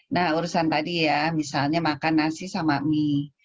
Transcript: nah urusan tadi ya misalnya makan nasi sama mie